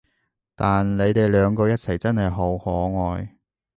但你哋兩個一齊真係好可愛